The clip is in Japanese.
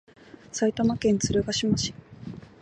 埼玉県鶴ヶ島市